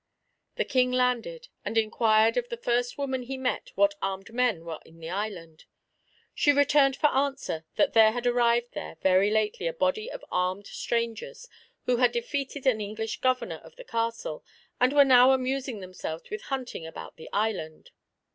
The King landed, and inquired of the first woman he met what armed men were in the island. She returned for answer that there had arrived there very lately a body of armed strangers, who had defeated an English governor of the castle, and were now amusing themselves with hunting about the island.